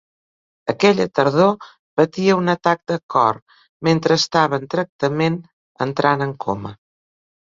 Aquella tardor, patia un atac de cor mentre estava en tractament, entrant en coma.